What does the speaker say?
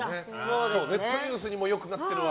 ネットニュースにもよくなってるわ。